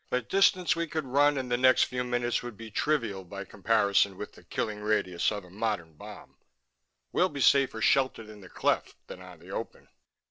"The distance we could run in the next few minutes would be trivial by comparison with the killing radius of a modern bomb. We'll be safer sheltered in the cleft than on the open."